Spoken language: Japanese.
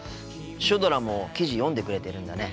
シュドラも記事読んでくれてるんだね。